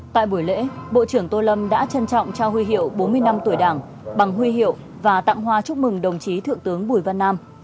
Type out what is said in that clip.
tại buổi lễ bộ trưởng tô lâm đã trân trọng trao huy hiệu bốn mươi năm tuổi đảng bằng huy hiệu và tặng hoa chúc mừng đồng chí thượng tướng bùi văn nam